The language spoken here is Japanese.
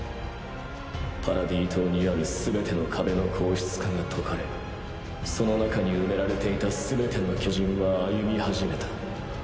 パラディ島にあるすべての壁の硬質化が解かれその中に埋められていたすべての巨人は歩み始めた。